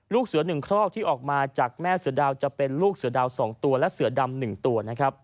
ลูกเสือ๑ครอกที่ออกมาจากแม่เสือดาวจะเป็นลูกเสือดาว๒ตัวและเสือดำ๑ตัวนะครับ